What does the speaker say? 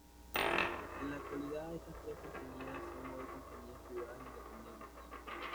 En la actualidad estas tres compañías son hoy compañías privadas independientes.